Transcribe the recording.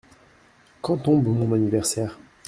Quand tombe mon anniversaire ?